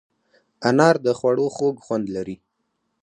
انار د خوړو خوږ خوند لري.